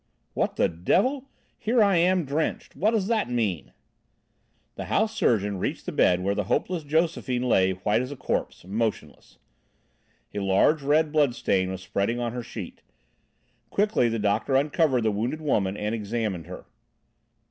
"What the devil! Here I am drenched! What does that mean?" The house surgeon reached the bed where the hopeless Josephine lay, white as a corpse, motionless. A large red blood stain was spreading on her sheet. Quickly the doctor uncovered the wounded woman and examined her.